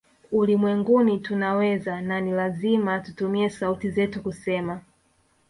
Ulimwenguni tunaweza na ni lazima tutumie sauti zetu kusema